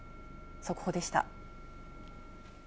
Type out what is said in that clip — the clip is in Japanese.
速報でした。